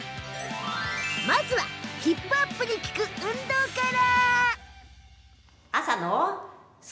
まずは、ヒップアップに効く運動から！